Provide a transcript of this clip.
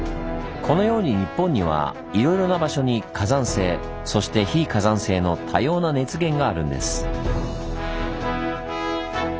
このように日本にはいろいろな場所に火山性そして非火山性の多様な熱源があるんです。